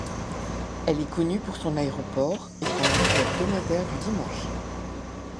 Elle est connue pour son aéroport et son marché hebdomadaire du dimanche.